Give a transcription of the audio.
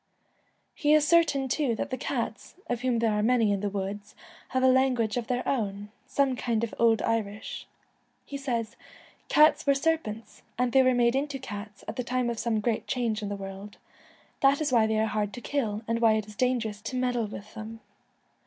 He is certain too that the cats, of whom there are many in the woods, have a language of their own — some kind of old Irish. He says, 'Cats were serpents, and they were made into IOI The ca t s at the time of some great change in Twilight, the world. That is why they are hard to kill, and why it is dangerous to meddle with them.